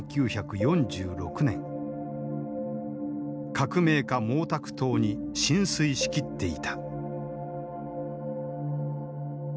革命家毛沢東に心酔しきっていた。